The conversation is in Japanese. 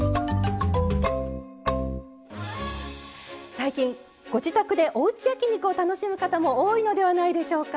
最近ご自宅でおうち焼き肉を楽しむ方も多いのではないでしょうか。